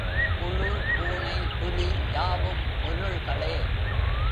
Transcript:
புழு, பூனை, புலி யாவும் பொருள்களே.